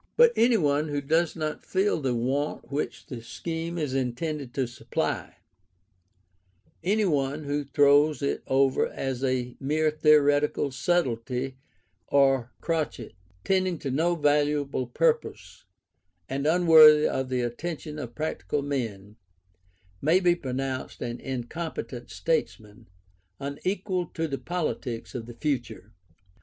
But any one who does not feel the want which the scheme is intended to supply; any one who throws it over as a mere theoretical subtlety or crotchet, tending to no valuable purpose, and unworthy of the attention of practical men, may be pronounced an incompetent statesman, unequal to the politics of the future.